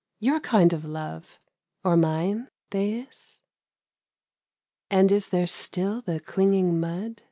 — Your kind of love ... or mine, Thais ? And is there still the clinging mud